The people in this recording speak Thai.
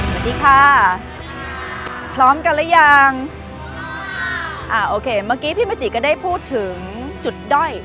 สวัสดีค่ะพร้อมกันหรือยังอ่าโอเคเมื่อกี้พี่เมจิก็ได้พูดถึงจุดด้อย